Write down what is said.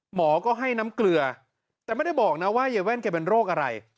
หมอก็ให้น้ำเกลือแต่ไม่ได้บอกนะว่ายายแว่นแกเป็นโรคอะไร